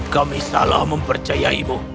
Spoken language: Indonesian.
kami salah mempercayaimu